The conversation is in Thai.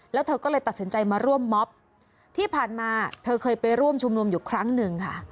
แล้วเธอก็เลยตัดสินใจมาร่วมมอบที่ผ่านมาเธอเคยไปร่วมชุมนุมอยู่ครั้งหนึ่งค่ะ